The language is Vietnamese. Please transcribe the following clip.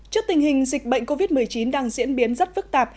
trước tình hình dịch bệnh covid một mươi chín đang diễn biến rất phức tạp